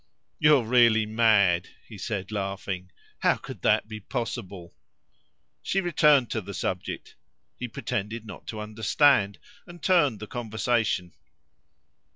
"You are really mad!" he said laughing. "How could that be possible?" She returned to the subject; he pretended not to understand, and turned the conversation.